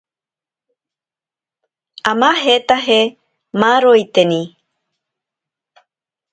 Amajetaje maaroiteni.